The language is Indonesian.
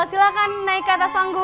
silahkan naik ke atas panggung